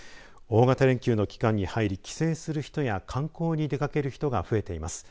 大型連休の期間に入り帰省する人や観光に出かける人が増えています。